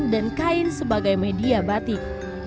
dan kain sebagai media batik